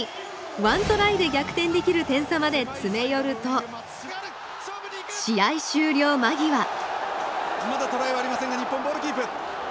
ワントライで逆転できる点差まで詰め寄ると試合終了間際まだトライはありませんが日本ボールキープ。